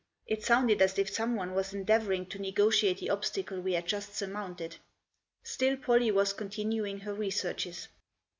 It sounded as if someone was endeavour ing to nogotiate the obstacle we had just surmounted. Still Pollie was continuing her researches.